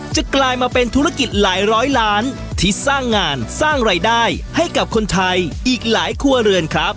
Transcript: กลายมาเป็นธุรกิจหลายร้อยล้านที่สร้างงานสร้างรายได้ให้กับคนไทยอีกหลายครัวเรือนครับ